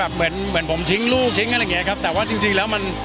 เหมือนเหมือนผมทิ้งลูกทิ้งอะไรอย่างเงี้ครับแต่ว่าจริงจริงแล้วมัน